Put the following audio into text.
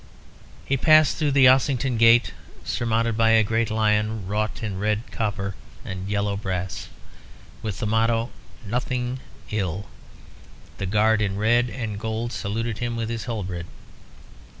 He passed through the Ossington Gate, surmounted by a great lion, wrought in red copper on yellow brass, with the motto, "Nothing Ill." The guard in red and gold saluted him with his halberd.